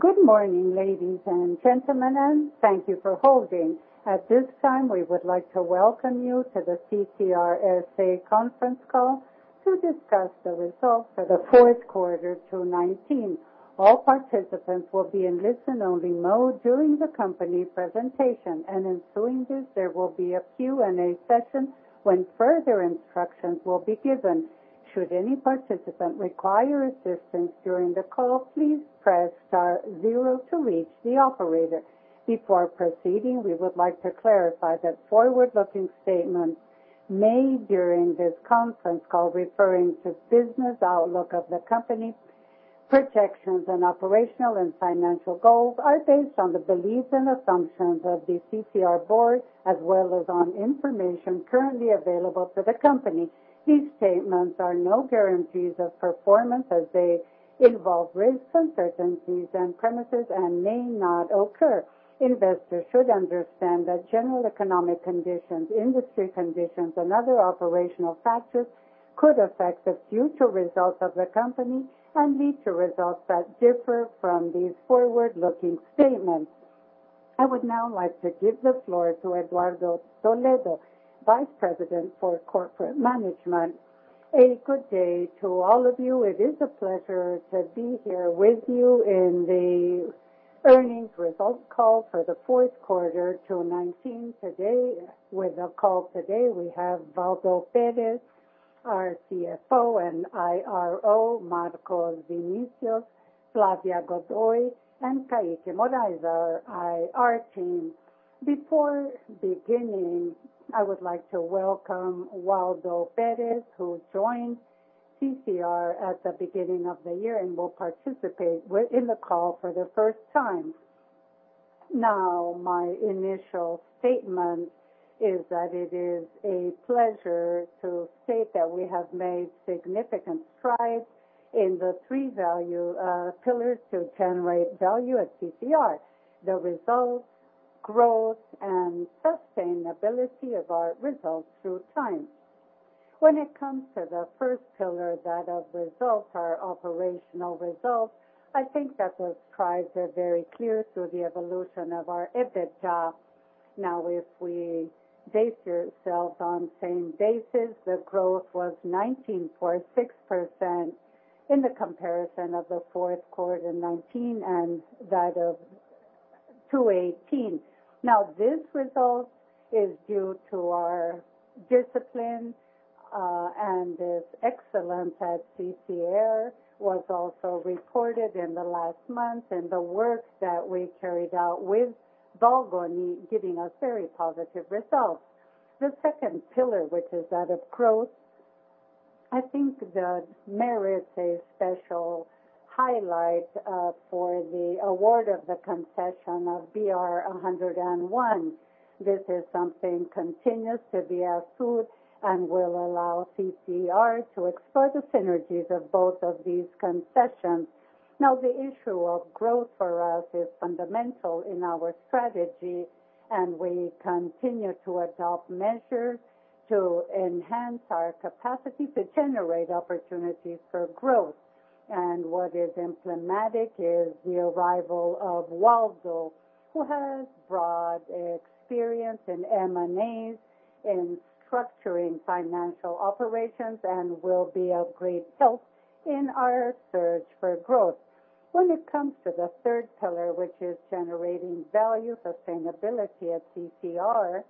Good morning, ladies and gentlemen, and thank you for holding. At this time, we would like to welcome you to the CCR S.A. conference call to discuss the results for the fourth quarter 2019. All participants will be in listen-only mode during the company presentation, and ensuing this, there will be a Q&A session when further instructions will be given. Should any participant require assistance during the call, please press star zero to reach the operator. Before proceeding, we would like to clarify that forward-looking statements made during this conference call referring to business outlook of the company, projections and operational and financial goals are based on the beliefs and assumptions of the CCR board as well as on information currently available to the company. These statements are no guarantees of performance as they involve risks, uncertainties and premises and may not occur. Investors should understand that general economic conditions, industry conditions, and other operational factors could affect the future results of the company and lead to results that differ from these forward-looking statements. I would now like to give the floor to Eduardo de Toledo, Vice President for Corporate Management. A good day to all of you. It is a pleasure to be here with you in the earnings results call for the fourth quarter 2019 today. With the call today, we have Waldo Pérez, our CFO and IRO, Marcos Vinicius, Flávia Godoy, and Caique Moraes, our IR team. Before beginning, I would like to welcome Waldo Pérez, who joined CCR at the beginning of the year and will participate in the call for the first time. My initial statement is that it is a pleasure to state that we have made significant strides in the three value pillars to generate value at CCR: the results, growth, and sustainability of our results through time. When it comes to the first pillar, that of results, our operational results, I think that the strides are very clear through the evolution of our EBITDA. If we base ourselves on same basis, the growth was 19.6% in the comparison of the fourth quarter 2019 and that of 2018. This result is due to our discipline, and this excellence at CCR was also reported in the last month, and the work that we carried out with Falconi giving us very positive results. The second pillar, which is that of growth, I think that merits a special highlight, for the award of the concession of BR101. This is something continues to be our food and will allow CCR to explore the synergies of both of these concessions. The issue of growth for us is fundamental in our strategy, and we continue to adopt measures to enhance our capacity to generate opportunities for growth. What is emblematic is the arrival of Waldo, who has broad experience in M&As, and structuring financial operations and will be of great help in our search for growth. When it comes to the third pillar, which is generating value sustainability at CCR,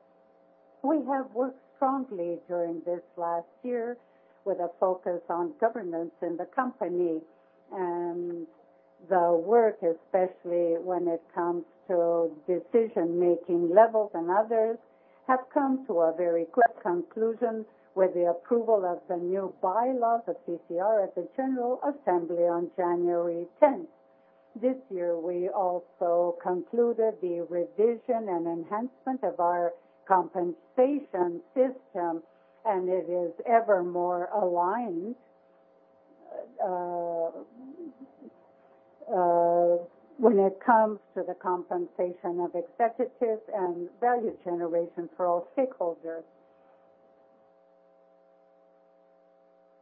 we have worked strongly during this last year with a focus on governance in the company. The work, especially when it comes to decision-making levels and others, have come to a very clear conclusion with the approval of the new bylaws of CCR at the General Assembly on January 10th. This year, we also concluded the revision and enhancement of our compensation system, and it is ever more aligned, when it comes to the compensation of executives and value generation for all stakeholders.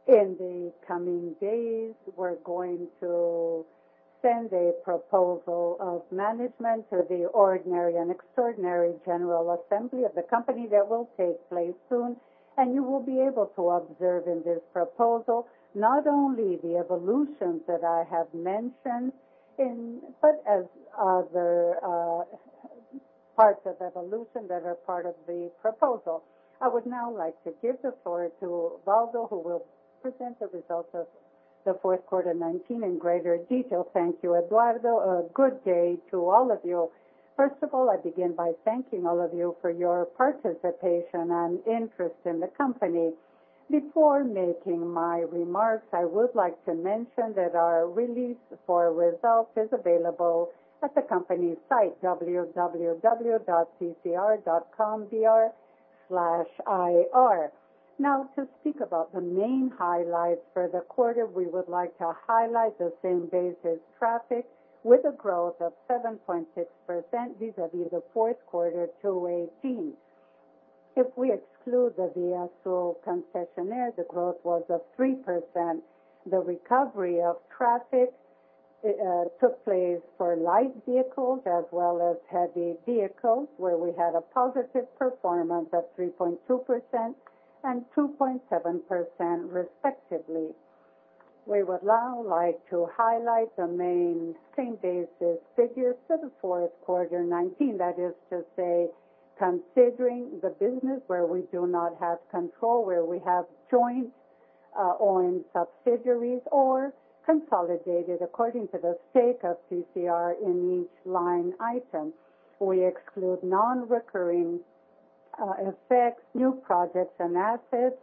In the coming days, we're going to send a proposal of management to the ordinary and extraordinary general assembly of the company that will take place soon. You will be able to observe in this proposal not only the evolutions that I have mentioned but as other parts of evolution that are part of the proposal. I would now like to give the floor to Waldo, who will present the results of the fourth quarter 2019 in greater detail. Thank you, Eduardo. A good day to all of you. First of all, I begin by thanking all of you for your participation and interest in the company. Before making my remarks, I would like to mention that our release for results is available at the company's site, www.ccr.com.br/ir. Now, to speak about the main highlights for the quarter, we would like to highlight the same-basis traffic with a growth of 7.6% vis-à-vis the fourth quarter 2018. If we exclude the ViaSul concessionaire, the growth was of 3%. The recovery of traffic took place for light vehicles as well as heavy vehicles, where we had a positive performance of 3.2% and 2.7%, respectively. We would now like to highlight the main same basis figures for the fourth quarter 2019. That is to say, considering the business where we do not have control, where we have joint owned subsidiaries or consolidated according to the stake of CCR in each line item. We exclude non-recurring effects, new projects and assets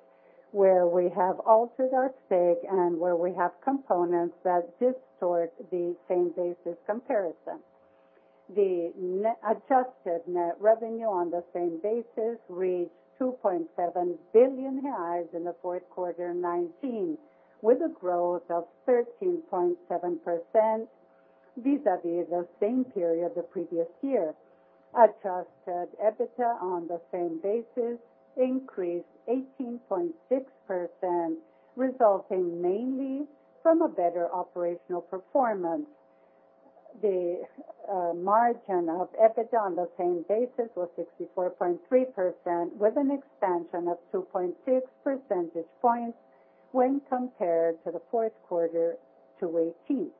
where we have altered our stake and where we have components that distort the same-basis comparison. The adjusted net revenue on the same basis reached 2.7 billion reais in the fourth quarter 2019, with a growth of 13.7% vis-à-vis the same period the previous year. Adjusted EBITDA on the same basis increased 18.6%, resulting mainly from a better operational performance. The margin of EBITDA on the same basis was 64.3%, with an expansion of 2.6 percentage points when compared to the fourth quarter 2018.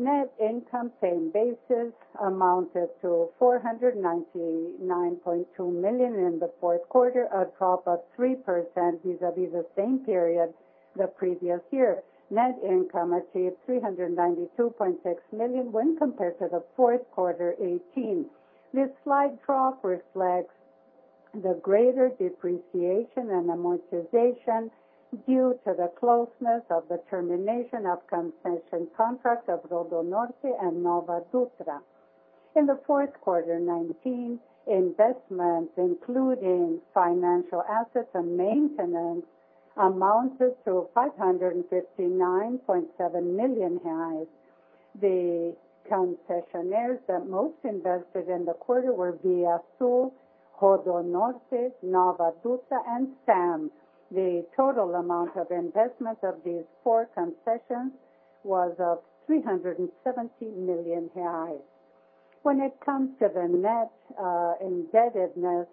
Net income same basis amounted to 499.2 million in the fourth quarter, a drop of 3% vis-à-vis the same period the previous year. Net income achieved 392.6 million when compared to the fourth quarter 2018. This slight drop reflects the greater depreciation and amortization due to the closeness of the termination of concession contracts of RodoNorte and NovaDutra. In the fourth quarter 2019, investments including financial assets and maintenance amounted to 559.7 million reais. The concessionaires that most invested in the quarter were ViaSul, RodoNorte, CCR NovaDutra and SAMM. The total amount of investment of these four concessions was of 370 million reais. When it comes to the net indebtedness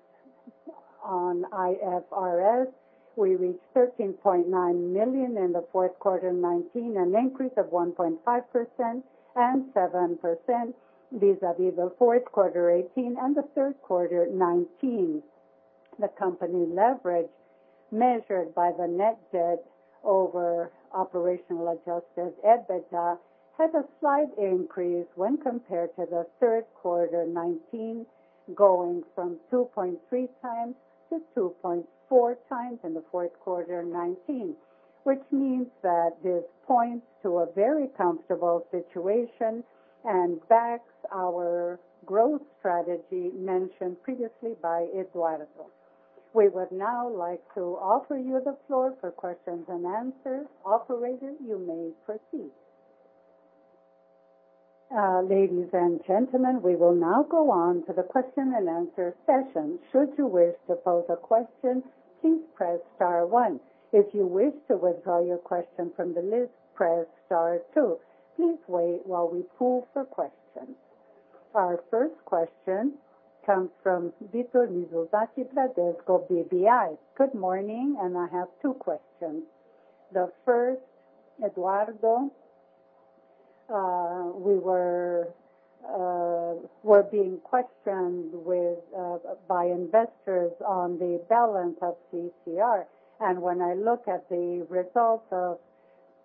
on IFRS, we reached 13.9 million in the fourth quarter 2019, an increase of 1.5% and 7% vis-à-vis the fourth quarter 2018 and the third quarter 2019. The company leverage measured by the net debt-over-operational adjusted EBITDA had a slight increase when compared to the third quarter 2019, going from 2.3x to 2.4x in the fourth quarter 2019, which means that this points to a very comfortable situation and backs our growth strategy mentioned previously by Eduardo. We would now like to offer you the floor for questions and answers. Operator, you may proceed. Ladies and gentlemen, we will now go on to the question and answer session. Should you wish to pose a question, please press star one. If you wish to withdraw your question from the list, press star two. Please wait while we poll for questions. Our first question comes from Victor Mizusaki, Bradesco BBI. Good morning. I have two questions. The first, Eduardo, we're being questioned by investors on the balance of CCR. When I look at the results of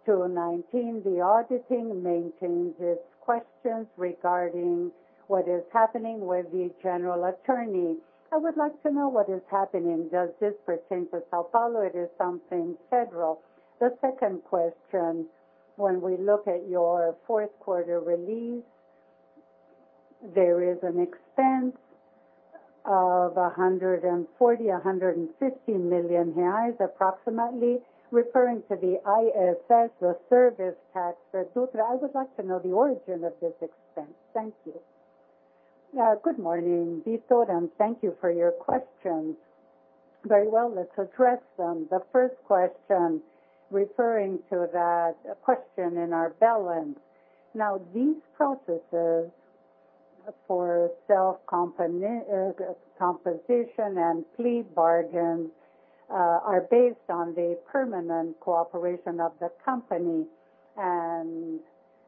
2019, the auditing maintains its questions regarding what is happening with the general attorney. I would like to know what is happening. Does this pertain to São Paulo or it is something federal? The second question, when we look at your fourth quarter release, there is an expense of 140 million-150 million reais approximately, referring to the ISS, the service tax for Dutra. I would like to know the origin of this expense. Thank you. Good morning, Victor, and thank you for your questions. Very well. Let's address them. The first question referring to that question in our balance. These processes for self-compensation and plea bargain are based on the permanent cooperation of the company.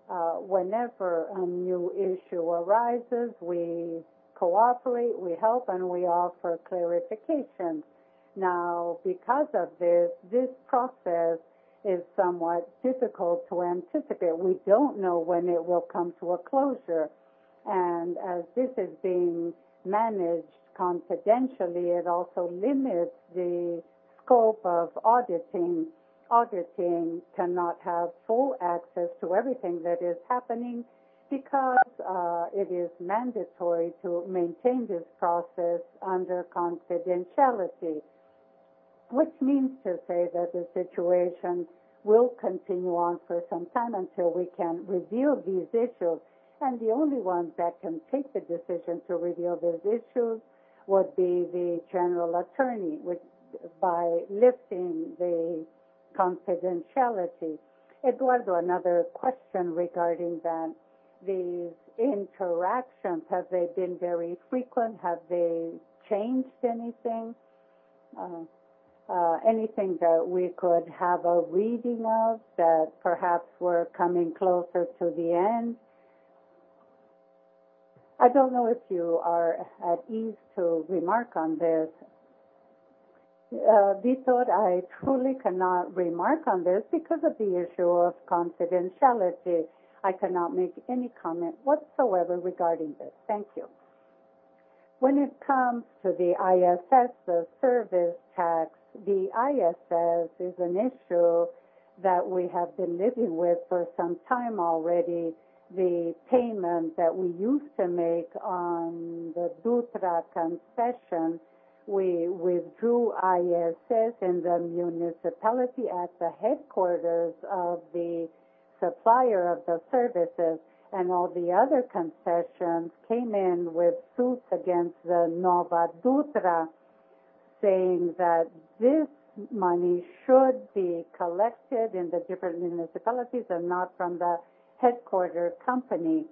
Whenever a new issue arises, we cooperate, we help, and we offer clarifications. Because of this process is somewhat difficult to anticipate. We don't know when it will come to a closure. As this is being managed confidentially, it also limits the scope of auditing. Auditing cannot have full access to everything that is happening because it is mandatory to maintain this process under confidentiality. Which means to say that the situation will continue on for some time until we can review these issues. The only ones that can take the decision to review these issues would be the general attorney, by lifting the confidentiality. Eduardo, another question regarding these interactions. Have they been very frequent? Have they changed anything? Anything that we could have a reading of that perhaps we're coming closer to the end? I don't know if you are at ease to remark on this. Victor, I truly cannot remark on this because of the issue of confidentiality. I cannot make any comment whatsoever regarding this. Thank you. When it comes to the ISS, the service tax, the ISS is an issue that we have been living with for some time already. The payment that we used to make on the Dutra concession, we withdrew ISS in the municipality at the headquarters of the supplier of the services, and all the other concessions came in with suits against the NovaDutra saying that this money should be collected in the different municipalities and not from the headquarter company.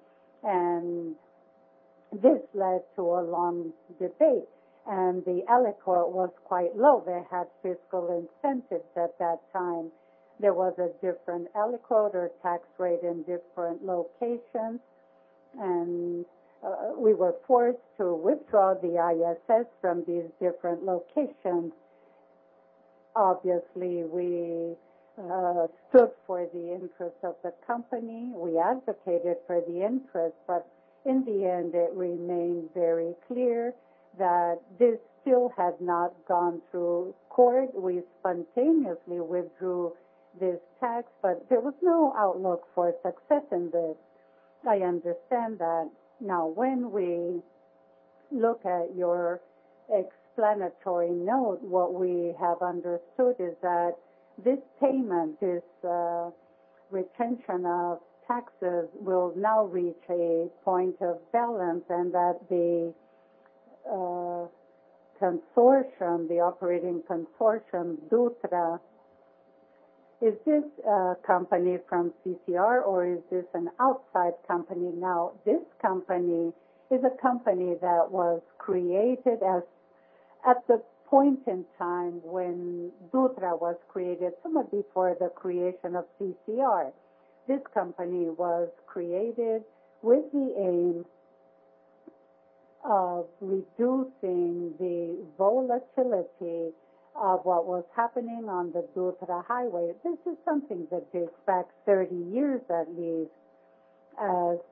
This led to a long debate, and the aliquot was quite low. They had fiscal incentives at that time. There was a different aliquot or tax rate in different locations, and we were forced to withdraw the ISS from these different locations. Obviously, we stood for the interest of the company. We advocated for the interest, but in the end, it remained very clear that this still has not gone through court. We spontaneously withdrew this tax, but there was no outlook for success in this. I understand that. Now, when we look at your explanatory note, what we have understood is that this payment, this retention of taxes, will now reach a point of balance and that the operating consortium, Dutra. Is this a company from CCR or is this an outside company now? This company is a company that was created at the point in time when Dutra was created, somewhat before the creation of CCR. This company was created with the aim of reducing the volatility of what was happening on the Dutra highway. This is something that dates back 30 years at least.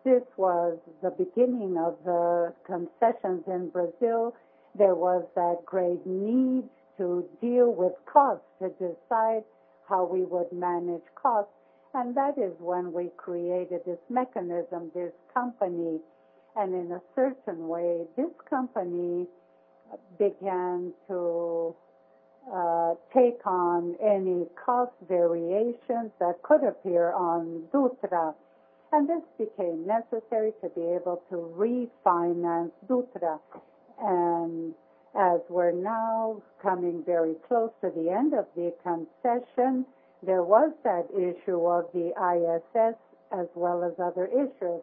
This was the beginning of the concessions in Brazil. There was that great need to deal with costs, to decide how we would manage costs. That is when we created this mechanism, this company. In a certain way, this company began to take on any cost variations that could appear on Dutra, and this became necessary to be able to refinance Dutra. As we're now coming very close to the end of the concession, there was that issue of the ISS as well as other issues.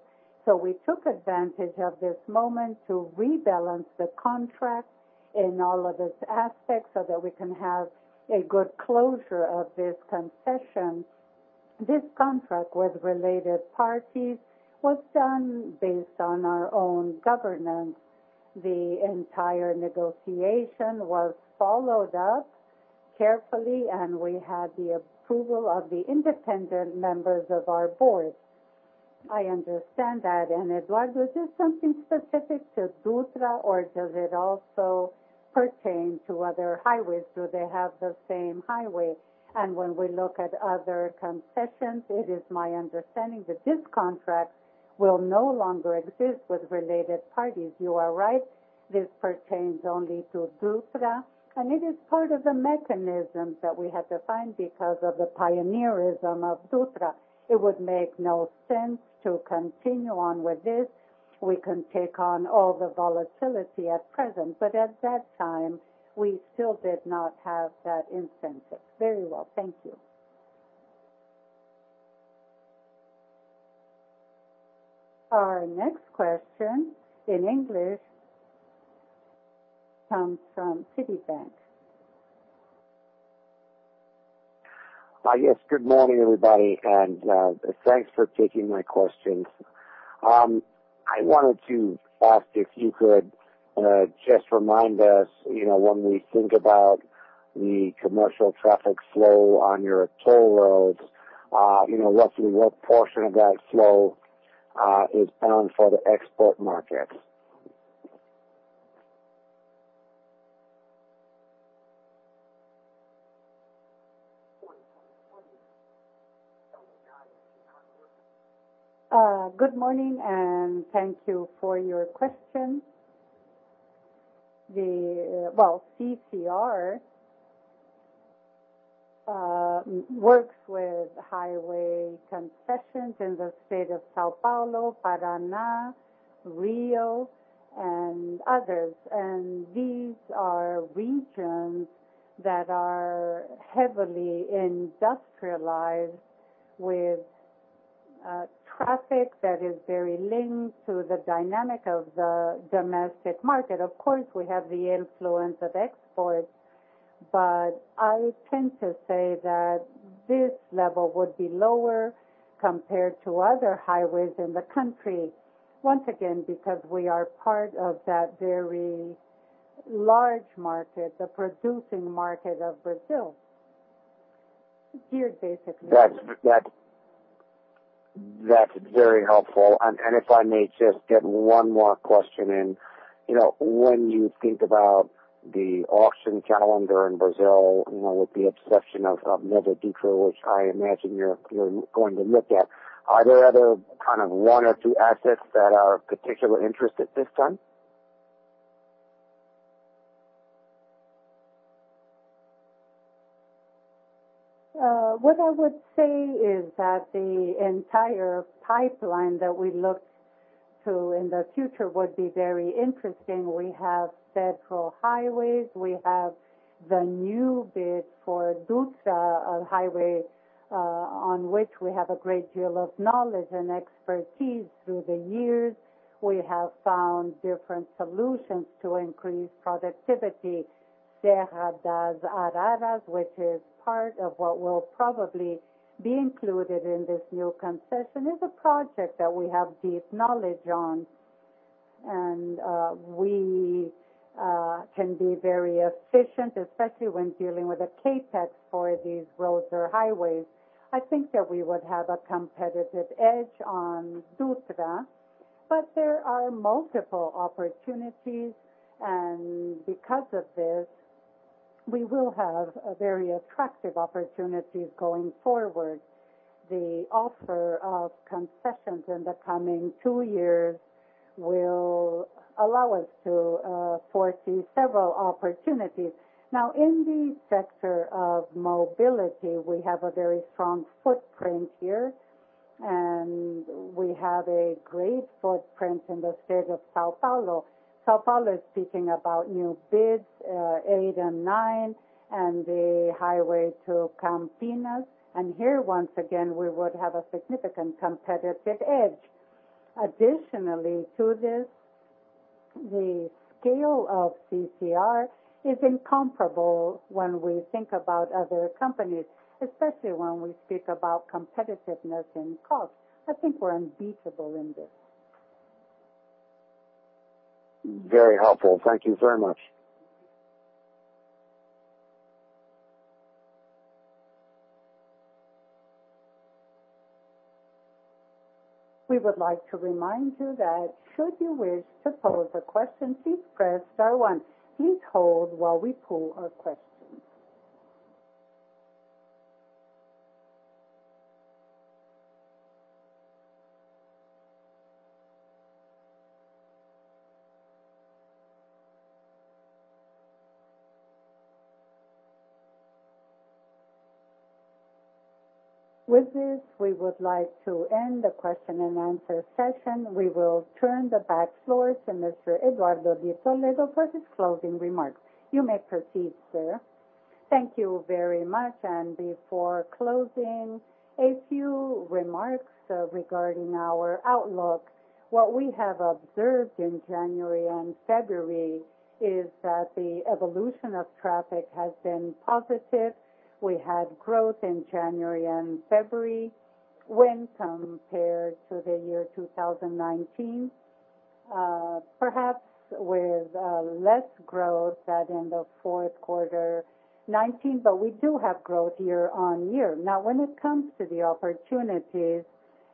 We took advantage of this moment to rebalance the contract in all of its aspects so that we can have a good closure of this concession. This contract with related parties was done based on our own governance. The entire negotiation was followed up carefully, and we had the approval of the independent members of our Board. I understand that. Eduardo, is this something specific to Dutra, or does it also pertain to other highways? Do they have the same highway? When we look at other concessions, it is my understanding that this contract will no longer exist with related parties. You are right, this pertains only to Dutra, and it is part of the mechanisms that we had to find because of the pioneerism of Dutra. It would make no sense to continue on with this. We can take on all the volatility at present, but at that time, we still did not have that incentive. Very well. Thank you. Our next question, in English, comes from Citibank. Yes. Good morning, everybody, and thanks for taking my questions. I wanted to ask if you could just remind us, when we think about the commercial traffic flow on your toll roads, roughly what portion of that flow is bound for the export markets? Good morning. Thank you for your question. CCR works with highway concessions in the state of São Paulo, Paraná, Rio, and others. These are regions that are heavily industrialized with traffic that is very linked to the dynamic of the domestic market. Of course, we have the influence of exports, but I tend to say that this level would be lower compared to other highways in the country. Once again, because we are part of that very large market, the producing market of Brazil. It is geared, basically. That's very helpful. If I may just get one more question in. When you think about the auction calendar in Brazil, with the concession of NovaDutra, which I imagine you're going to look at, are there other one or two assets that are of particular interest at this time? What I would say is that the entire pipeline that we look to in the future would be very interesting. We have federal highways. We have the new bid for Dutra, a highway on which we have a great deal of knowledge and expertise through the years. We have found different solutions to increase productivity. Serra das Araras, which is part of what will probably be included in this new concession, is a project that we have deep knowledge on. We can be very efficient, especially when dealing with the CapEx for these roads or highways. I think that we would have a competitive edge on Dutra, but there are multiple opportunities, and because of this, we will have very attractive opportunities going forward. The offer of concessions in the coming two years will allow us to foresee several opportunities. In the sector of mobility, we have a very strong footprint here, and we have a great footprint in the state of São Paulo. São Paulo is speaking about new bids, eight and nine, and the highway to Campinas. Here, once again, we would have a significant competitive edge. Additionally to this, the scale of CCR is incomparable when we think about other companies, especially when we speak about competitiveness in cost. I think we're unbeatable in this. Very helpful. Thank you very much. We would like to remind you that should you wish to pose a question, please press star one. Please hold while we pull a question. We would like to end the question and answer session. We will turn the floor to Mr. Eduardo de Toledo for his closing remarks. You may proceed, sir. Thank you very much. Before closing, a few remarks regarding our outlook. What we have observed in January and February is that the evolution of traffic has been positive. We had growth in January and February when compared to the year 2019. Perhaps with less growth at the end of fourth quarter 2019, we do have growth year-on-year. Now, when it comes to the opportunities,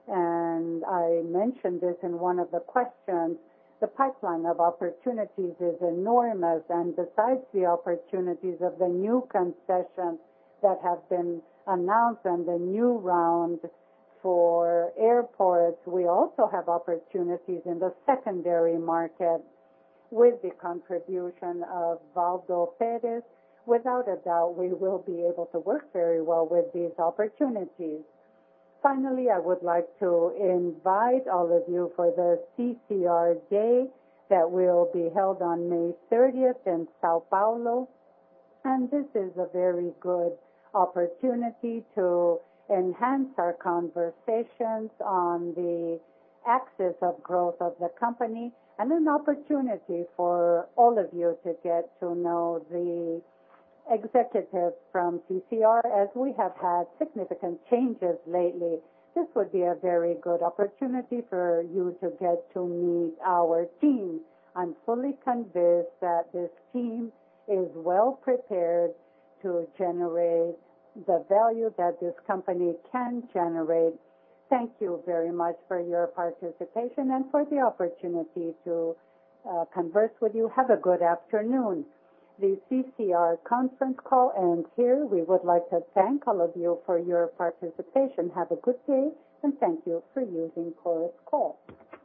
I mentioned this in one of the questions, the pipeline of opportunities is enormous, besides the opportunities of the new concessions that have been announced and the new round for airports, we also have opportunities in the secondary market with the contribution of Waldo Pérez. Without a doubt, we will be able to work very well with these opportunities. Finally, I would like to invite all of you for the CCR Day that will be held on May 30th in São Paulo. This is a very good opportunity to enhance our conversations on the axis of growth of the company, and an opportunity for all of you to get to know the executives from CCR, as we have had significant changes lately. This would be a very good opportunity for you to get to meet our team. I'm fully convinced that this team is well prepared to generate the value that this company can generate. Thank you very much for your participation and for the opportunity to converse with you. Have a good afternoon. The CCR conference call ends here. We would like to thank all of you for your participation. Have a good day, and thank you for using Chorus Call.